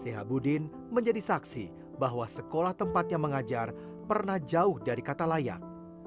sehabudin menjadi saksi bahwa sekolah tempatnya mengajar pernah jauh dari kata layak